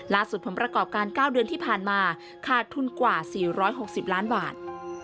ผลประกอบการ๙เดือนที่ผ่านมาขาดทุนกว่า๔๖๐ล้านบาท